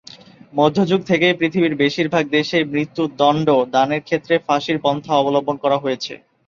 মধ্যযুগ থেকেই পৃথিবীর বেশিরভাগ দেশেই মৃত্যুদণ্ড দানের ক্ষেত্রে ফাঁসির পন্থা অবলম্বন করা হয়েছে।